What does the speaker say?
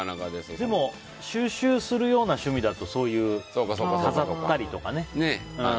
でも収集するような趣味だと飾ったりとかね。